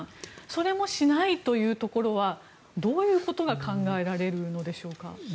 それもしないというところはどういうことが考えられるのでしょうか？